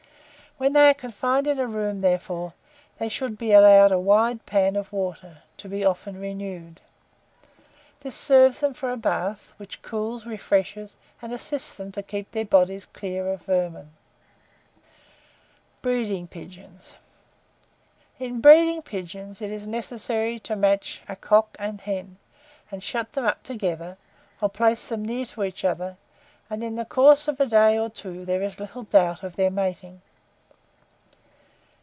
When they are confined in a room, therefore, they should be allowed a wide pan of water, to be often renewed. This serves them for a bath, which cools, refreshes, and assists them to keep their bodies clear of vermin. BREEDING PIGEONS. In breeding pigeons, it is necessary to match a cock and hen, and shut them up together, or place them near to each other, and in the course of a day or two there is little doubt of their mating.